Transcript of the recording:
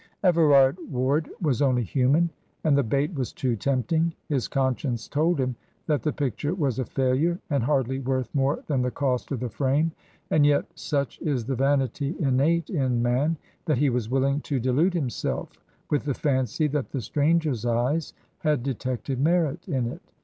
Everard Ward was only human, and the bait was too tempting. His conscience told him that the picture was a failure, and hardly worth more than the cost of the frame; and yet such is the vanity innate in man that he was willing to delude himself with the fancy that the stranger's eyes had detected merit in it.